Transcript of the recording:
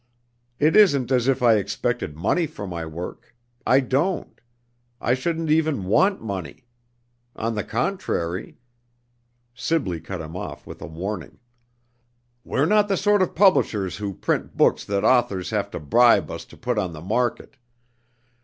It isn't as if I expected money for my work. I don't. I shouldn't even want money. On the contrary " Sibley cut him short with a warning. "We're not the sort of publishers who print books that authors have to bribe us to put on the market.